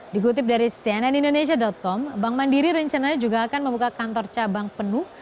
dikutip dari cnnindonesia com bank mandiri rencananya juga akan membuka kantor cabang penuh